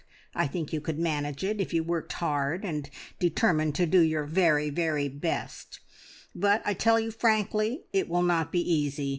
I think you could manage it, if you worked hard and determined to do your very, very best; but I tell you frankly it will not be easy.